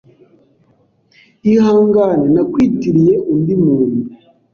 Ihangane, nakwitiriye undi muntu.